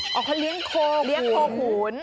อ๋อเขาเลี้ยงโคขุน